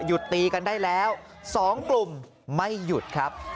ตีกันได้แล้ว๒กลุ่มไม่หยุดครับ